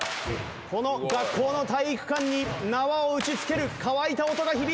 この学校の体育館に縄を打ちつける乾いた音が響いて参ります。